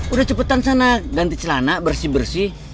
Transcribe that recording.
udah cepetan sana ganti celana bersih bersih